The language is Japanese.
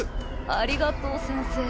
ありがとう先生